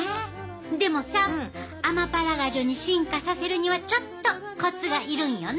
でもさアマパラガジュに進化させるにはちょっとコツがいるんよな。